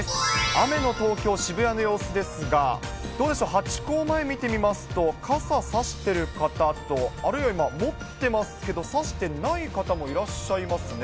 雨の東京・渋谷の様子ですが、どうでしょう、ハチ公前見てみますと、傘差してる方と、あるいは今、持ってますけど、差してない方もいらっしゃいますね。